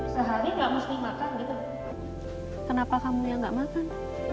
sehari enggak mesti makan gitu kenapa kamu yang nggak makan